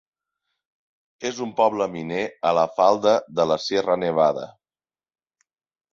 És un poble miner a la falda de la Sierra Nevada.